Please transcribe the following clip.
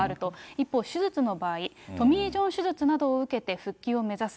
一方、手術の場合、トミー・ジョン手術などを受けて復帰を目指す。